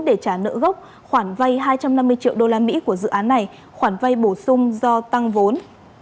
để trả nợ gốc khoản vay hai trăm năm mươi triệu usd của dự án này khoản vay bổ sung do tăng vốn